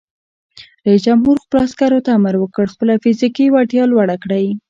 رئیس جمهور خپلو عسکرو ته امر وکړ؛ خپله فزیکي وړتیا لوړه کړئ!